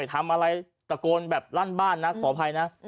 ทำอะไรตะโกนแบบลั่นบ้านนะขออภัยนะ